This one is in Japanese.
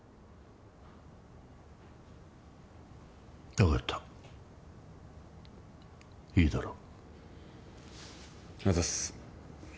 分かったいいだろうあざっす